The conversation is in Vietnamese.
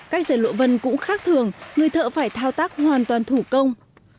cách dệt lụa vân cũng khác thường người thợ phải thao tác hoàn toàn thủ công